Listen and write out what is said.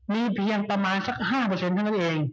มีเพียงประมาณสัก๕เปอร์เซ็นต์เท่านั้นเอง